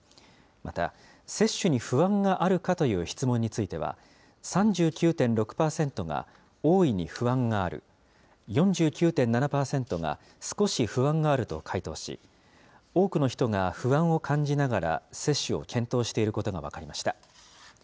また、接種に不安があるかという質問については、３９．６％が大いに不安がある、４９．７％が少し不安があると回答し、多くの人が不安を感じながら接種を検討していることが分かりました。